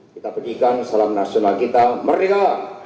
kita pergikan salam nasional kita merdeka